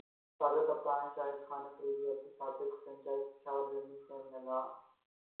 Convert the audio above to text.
سابق کپتان شاہد خان فریدی اپنی سابق فرنچائز پشاور زلمی سے نالاں